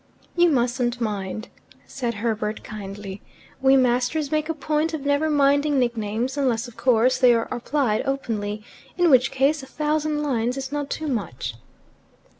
"You mustn't mind," said Herbert kindly. "We masters make a point of never minding nicknames unless, of course, they are applied openly, in which case a thousand lines is not too much."